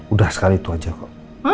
udah sekali itu aja kok